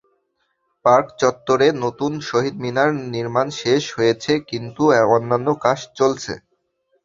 Park চত্বরে নতুন শহীদ মিনার নির্মাণ শেষ হয়েছে, কিন্তু অন্যান্য কাজ চলছে।